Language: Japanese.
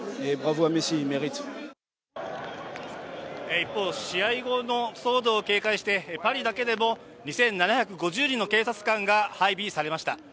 一方、試合後の騒動を警戒して、パリだけでも２７５０人の警察官が配備されました。